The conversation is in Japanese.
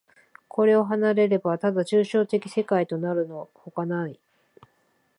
これを離れれば、ただ抽象的世界となるのほかない。